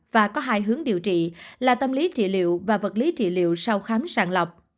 và có hai hướng điều trị là tâm lý trị liệu và vật lý trị liệu sau khám sàng lọc